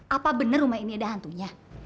apa benar rumah ini ada hantunya